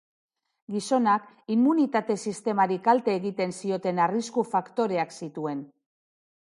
Gizonak inmunitate sistemari kalte egiten zioten arrisku faktoreak zituen.